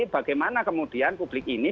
bagaimana kemudian publik ini